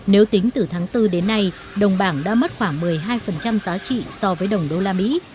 nếu tính từ tháng bốn đến nay đồng bảng đã mất khoảng một mươi hai giá trị so với đồng đô la mỹ